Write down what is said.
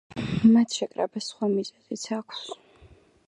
მათ შეკრებას სხვა მიზეზიც აქვს.